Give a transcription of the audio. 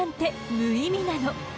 無意味なの？